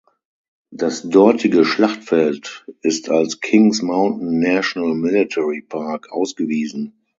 Das dortige Schlachtfeld ist als Kings Mountain National Military Park ausgewiesen.